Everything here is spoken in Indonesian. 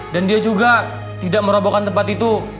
dan dia juga tidak merobohkan tempat itu